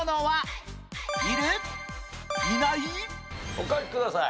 お書きください。